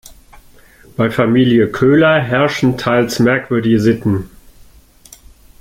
Bei Familie Köhler herrschen teils merkwürdige Sitten.